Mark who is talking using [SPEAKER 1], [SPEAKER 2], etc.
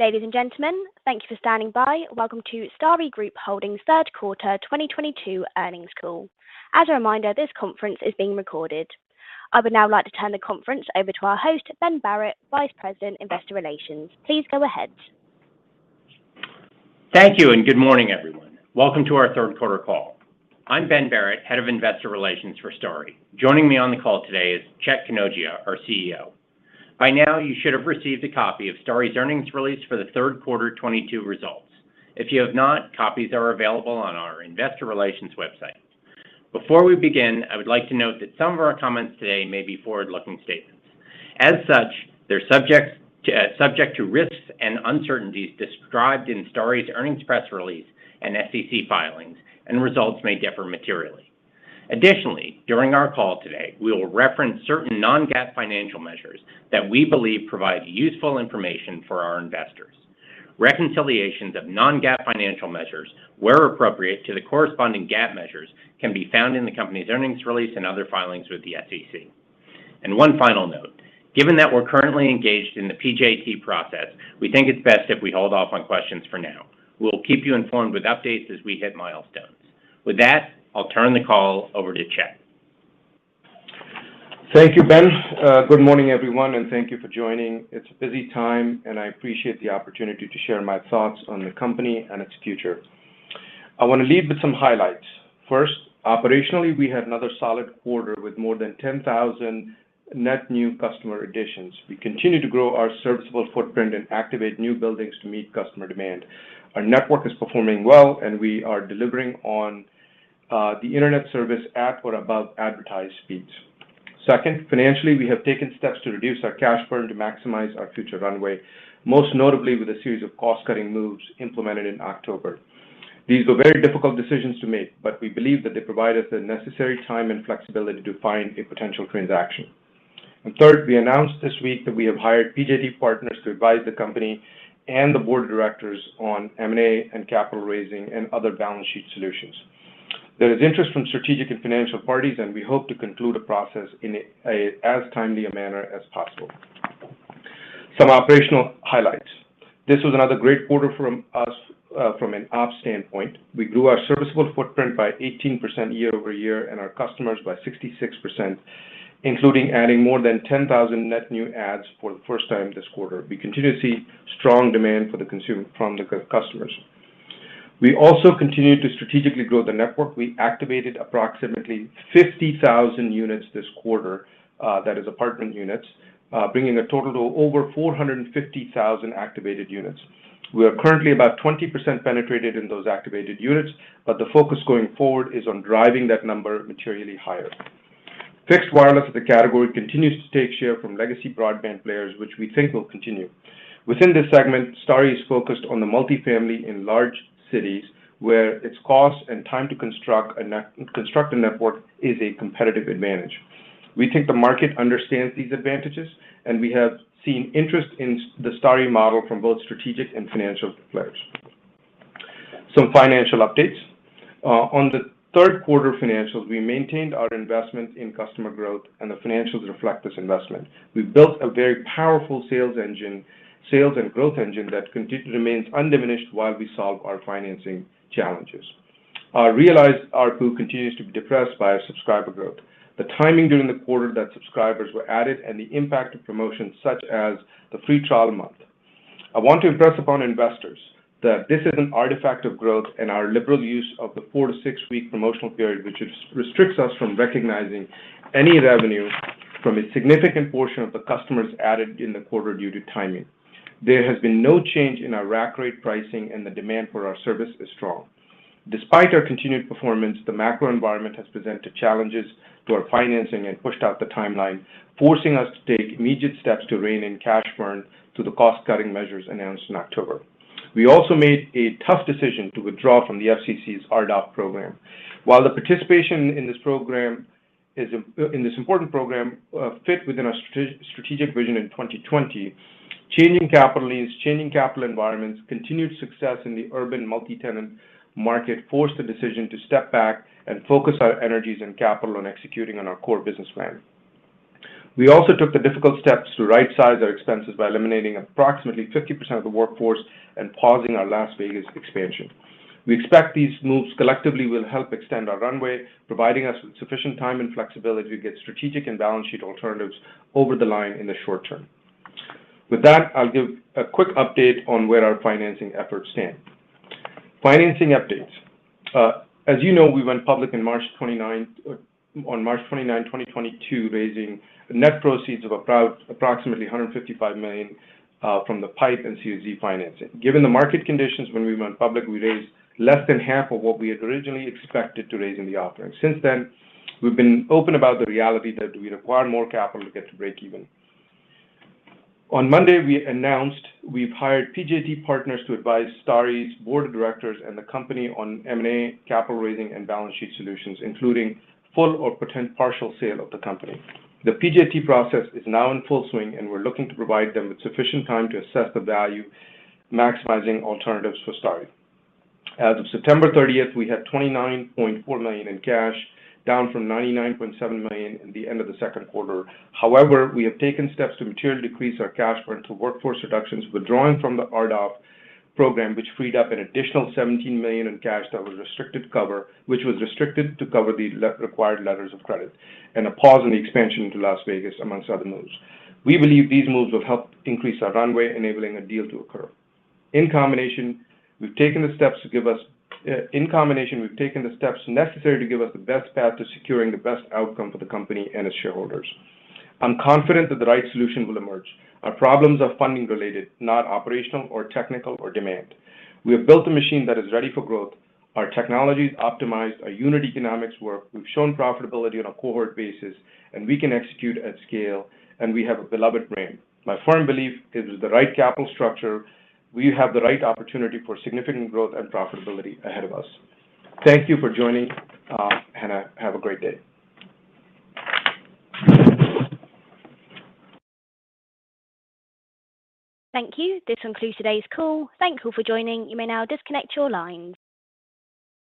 [SPEAKER 1] Ladies and gentlemen, thank you for standing by. Welcome to Starry Group Holdings Third Quarter 2022 Earnings Call. As a reminder, this conference is being recorded. I would now like to turn the conference over to our host, Ben Barrett, Vice President, Investor Relations. Please go ahead.
[SPEAKER 2] Thank you and good morning, everyone. Welcome to our third quarter call. I'm Ben Barrett, Head of Investor Relations for Starry. Joining me on the call today is Chet Kanojia, our CEO. By now, you should have received a copy of Starry's earnings release for the third quarter 2022 results. If you have not, copies are available on our investor relations website. Before we begin, I would like to note that some of our comments today may be forward-looking statements. As such, they're subject to risks and uncertainties described in Starry's earnings press release and SEC filings, and results may differ materially. Additionally, during our call today, we will reference certain Non-GAAP financial measures that we believe provide useful information for our investors. Reconciliations of Non-GAAP financial measures, where appropriate, to the corresponding GAAP measures can be found in the company's earnings release and other filings with the SEC. One final note. Given that we're currently engaged in the PJT process, we think it's best if we hold off on questions for now. We'll keep you informed with updates as we hit milestones. With that, I'll turn the call over to Chet.
[SPEAKER 3] Thank you, Ben. Good morning, everyone, and thank you for joining. It's a busy time, and I appreciate the opportunity to share my thoughts on the company and its future. I want to lead with some highlights. First, operationally, we had another solid quarter with more than 10,000 net new customer additions. We continue to grow our serviceable footprint and activate new buildings to meet customer demand. Our network is performing well, and we are delivering on the internet service at or above advertised speeds. Second, financially, we have taken steps to reduce our cash burn to maximize our future runway, most notably with a series of cost-cutting moves implemented in October. These were very difficult decisions to make, but we believe that they provide us the necessary time and flexibility to find a potential transaction. Third, we announced this week that we have hired PJT Partners to advise the company and the board of directors on M&A and capital raising and other balance sheet solutions. There is interest from strategic and financial parties, and we hope to conclude a process in as timely a manner as possible. Some operational highlights. This was another great quarter from us, from an ops standpoint. We grew our serviceable footprint by 18% year-over-year and our customers by 66%, including adding more than 10,000 net new adds for the first time this quarter. We continue to see strong demand from the customers. We also continued to strategically grow the network. We activated approximately 50,000 units this quarter, that is apartment units, bringing a total to over 450,000 activated units. We are currently about 20% penetrated in those activated units, but the focus going forward is on driving that number materially higher. Fixed wireless as a category continues to take share from legacy broadband players, which we think will continue. Within this segment, Starry is focused on the multifamily in large cities where its cost and time to construct a network is a competitive advantage. We think the market understands these advantages, and we have seen interest in the Starry model from both strategic and financial players. Some financial updates. On the third quarter financials, we maintained our investment in customer growth, and the financials reflect this investment. We've built a very powerful sales and growth engine that remains undiminished while we solve our financing challenges. Our realized ARPU continues to be depressed by our subscriber growth, the timing during the quarter that subscribers were added, and the impact of promotions such as the free trial month. I want to impress upon investors that this is an artifact of growth and our liberal use of the four to six week promotional period, which restricts us from recognizing any revenue from a significant portion of the customers added in the quarter due to timing. There has been no change in our rack rate pricing, and the demand for our service is strong. Despite our continued performance, the macro environment has presented challenges to our financing and pushed out the timeline, forcing us to take immediate steps to rein in cash burn through the cost-cutting measures announced in October. We also made a tough decision to withdraw from the FCC's RDOF program. While the participation in this important program fit within our strategic vision in 2020, changing capital needs, changing capital environments, continued success in the urban multi-tenant market forced the decision to step back and focus our energies and capital on executing on our core business plan. We also took the difficult steps to rightsize our expenses by eliminating approximately 50% of the workforce and pausing our Las Vegas expansion. We expect these moves collectively will help extend our runway, providing us with sufficient time and flexibility to get strategic and balance sheet alternatives over the line in the short term. With that, I'll give a quick update on where our financing efforts stand. Financing updates. As you know, we went public on March 29, 2022, raising net proceeds of approximately $155 million from the PIPE and A-Z financing. Given the market conditions when we went public, we raised less than half of what we had originally expected to raise in the offering. Since then, we've been open about the reality that we require more capital to get to breakeven. On Monday, we announced we've hired PJT Partners to advise Starry's board of directors and the company on M&A, capital raising, and balance sheet solutions, including full or partial sale of the company. The PJT process is now in full swing, and we're looking to provide them with sufficient time to assess the value, maximizing alternatives for Starry. As of September thirtieth, we had $29.4 million in cash, down from $99.7 million at the end of the second quarter. However, we have taken steps to materially decrease our cash burn through workforce reductions, withdrawing from the RDOF program, which freed up an additional $17 million in cash that was restricted to cover the legally required letters of credit, and a pause in the expansion to Las Vegas, among other moves. We believe these moves will help increase our runway, enabling a deal to occur. In combination, we've taken the steps necessary to give us the best path to securing the best outcome for the company and its shareholders. I'm confident that the right solution will emerge. Our problems are funding related, not operational or technical or demand. We have built a machine that is ready for growth. Our technology is optimized. Our unit economics work. We've shown profitability on a cohort basis, and we can execute at scale, and we have a beloved brand. My firm belief is with the right capital structure, we have the right opportunity for significant growth and profitability ahead of us. Thank you for joining and have a great day.
[SPEAKER 1] Thank you. This concludes today's call. Thank you for joining. You may now disconnect your lines.